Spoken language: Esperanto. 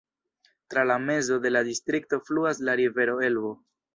Tra la mezo de la distrikto fluas la rivero Elbo.